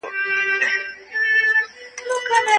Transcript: راکدې پانګي هيواد ته هيڅ ډول ګټه ونه رسوله.